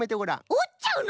おっちゃうの！？